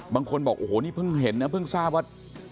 บางคนบอกโอ้โหนี่เพิ่งเห็นนะเพิ่งทราบว่า